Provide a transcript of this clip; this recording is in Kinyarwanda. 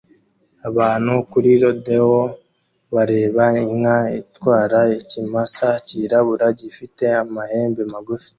Abantu kuri rodeo bareba inka itwara ikimasa cyirabura gifite amahembe magufi